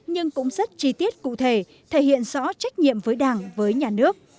nhưng cũng rất chi tiết cụ thể thể hiện rõ trách nhiệm với đảng với nhà nước